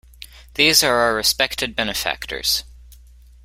These are our respected benefactors.